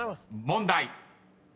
［問題］